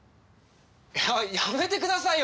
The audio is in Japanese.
ややめてくださいよ！